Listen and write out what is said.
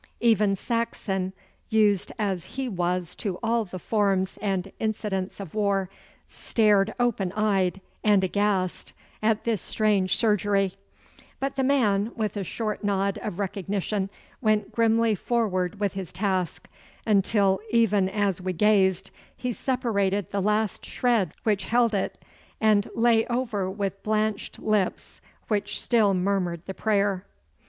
Even Saxon, used as he was to all the forms and incidents of war, stared open eyed and aghast at this strange surgery; but the man, with a short nod of recognition, went grimly forward with his task, until, even as we gazed, he separated the last shred which held it, and lay over with blanched lips which still murmured the prayer.